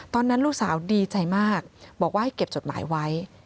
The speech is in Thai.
ตอนนั้นลูกสาวดีใจมากบอกว่าให้เก็บจดหมายไว้